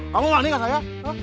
kamu aneh gak saya